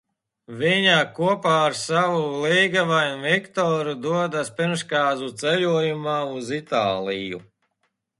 Viņa kopā ar savu līgavaini Viktoru dodas pirmskāzu ceļojumā uz Itāliju.